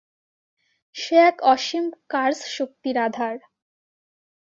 সে এক অসীম কার্স শক্তির আঁধার।